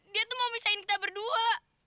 dia tuh mau misahin kita berdua